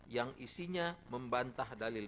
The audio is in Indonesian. yang isinya membantah dalil